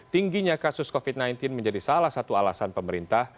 tingginya kasus covid sembilan belas menjadi salah satu alasan pemerintah